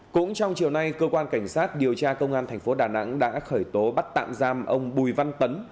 cũng trong chiều nay cơ quan cảnh sát điều tra công an thành phố đà nẵng đã khởi tố bắt tạm giam ông bùi văn tấn